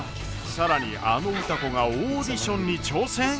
更にあの歌子がオーディションに挑戦！？